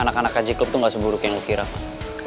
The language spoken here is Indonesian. anak anak kaji klub tuh gak seburuk yang lo kira ivan